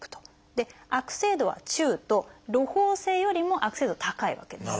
で悪性度は中とろほう性よりも悪性度高いわけですね。